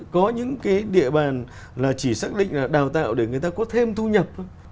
có những cái địa bàn là chỉ xác định là đào tạo để người ta có thêm thu nhập thôi